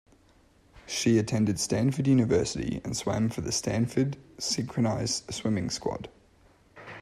She attended Stanford University and swam for the Stanford Synchronized Swimming Squad.